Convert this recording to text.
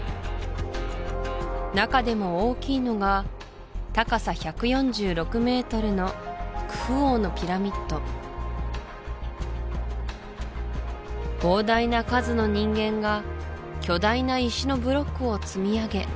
中でも大きいのが高さ１４６ｍのクフ王のピラミッド膨大な数の人間が巨大な石のブロックを積みあげ